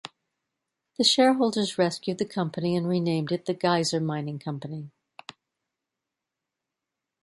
The shareholders rescued the company and renamed it the Geyser Mining Company.